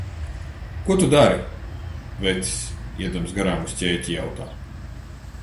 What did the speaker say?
"Ko tu tur dari?" vecis, iedams garām uz ķēķi jautā.